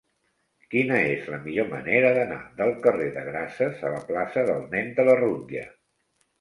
Quina és la millor manera d'anar del carrer de Grases a la plaça del Nen de la Rutlla?